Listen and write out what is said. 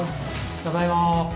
ただいま。